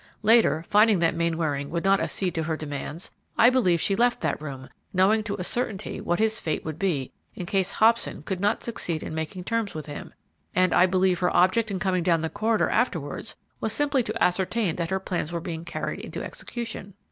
Later, finding that Mainwaring would not accede to her demands, I believe she left that room knowing to a certainty what his fate would be in case Hobson could not succeed in making terms with him, and I believe her object in coming down the corridor afterwards was simply to ascertain that her plans were being carried into execution.